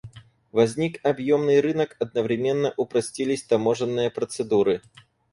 Возник объемный рынок, одновременно упростились таможенные процедуры.